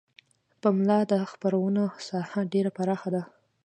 د پملا د خپرونو ساحه ډیره پراخه ده.